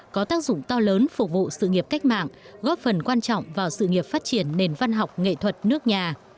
có tác dụng to lớn phục vụ sự nghiệp cách mạng góp phần quan trọng vào sự nghiệp phát triển nền văn học nghệ thuật nước nhà